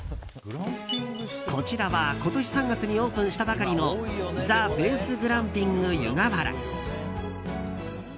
こちらは今年３月にオープンしたばかりのザベースグランピング湯河原。